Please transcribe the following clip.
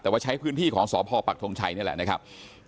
แต่ว่าใช้พื้นที่ของสพปักทงชัยนี่แหละนะครับ